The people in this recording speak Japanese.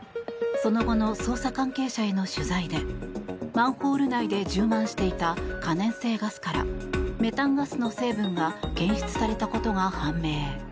その後の捜査関係者への取材でマンホール内で充満していた可燃性ガスからメタンガスの成分が検出されたことが判明。